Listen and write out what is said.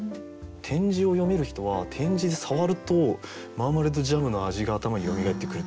点字を読める人は点字で触るとママレードジャムの味が頭によみがえってくる。